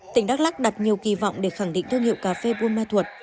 tỉnh đắk lắc đặt nhiều kỳ vọng để khẳng định thương hiệu cà phê bù mà thuật